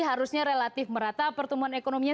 harusnya relatif merata pertumbuhan ekonominya